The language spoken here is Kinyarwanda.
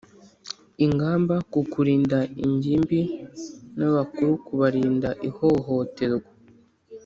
ingamba kukurinda ingimbi n abakuru kubarinda ihohoterwa